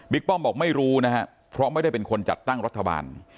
ป้อมบอกไม่รู้นะครับเพราะไม่ได้เป็นคนจัดตั้งรัฐบาล